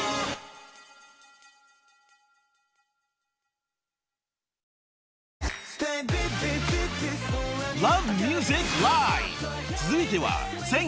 続いては］